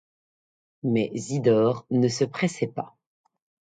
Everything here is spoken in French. Mais Zidore ne se pressait pas.